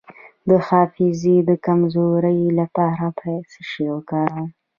د حافظې د کمزوری لپاره باید څه شی وکاروم؟